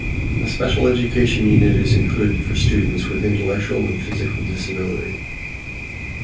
A special education unit is included for students with intellectual and physical disability.